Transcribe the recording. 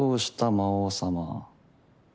魔王様。